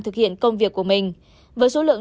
thực hiện công việc của mình với số lượng